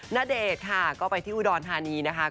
ณเดชน์ค่ะก็ไปที่อุดรธานีนะคะ